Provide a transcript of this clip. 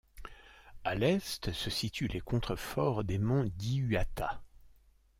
À l'est, se situent les contreforts des monts Diuata.